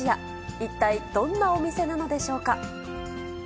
一体どんなお店なのでしょうか。